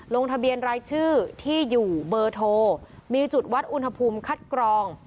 ลงทะเบียนรายชื่อที่อยู่เบอร์โทรมีจุดวัดอุณหภูมิคัดกรอง